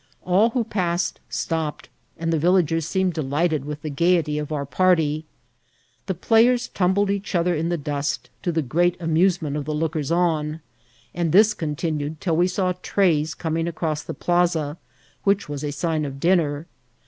All who passed stopped, and the villagers seemed delighted with the gayety of our party. The players tumbled each other in the dust, to the great amusement of the lookers on ; and this continued till we saw trays coming across the plaza, which was a sign of dinner.